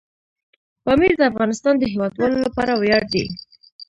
پامیر د افغانستان د هیوادوالو لپاره ویاړ دی.